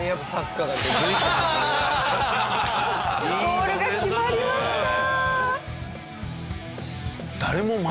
ゴールが決まりました！